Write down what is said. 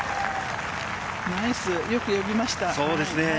ナイス、よく読みました。